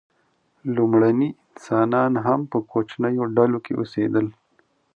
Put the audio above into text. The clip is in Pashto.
لومړني انسانان هم په کوچنیو ډلو کې اوسېدل.